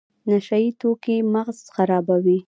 نشه یي توکي مغز خرابوي